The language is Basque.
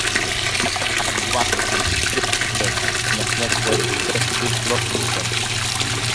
Piratetako bat atxilotu egin zuten, baina gainerakoek ihes egitea lortu zuten.